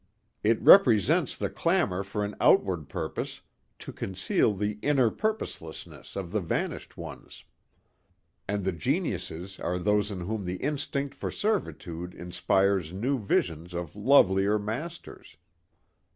It represents the clamor for an outward purpose to conceal the inner purposelessness of the vanished ones. And the geniuses are those in whom the instinct for servitude inspires new visions of lovelier masters.